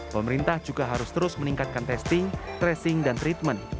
pemerintah juga harus terus meningkatkan testing tracing dan treatment